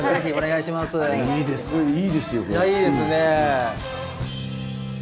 いやいいですね。